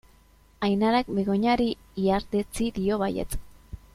Ainarak Begoñari ihardetsi dio baietz.